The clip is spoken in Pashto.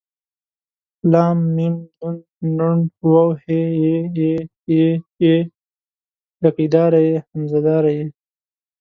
ل م ن ڼ و ه ء ی ي ې ۍ ئ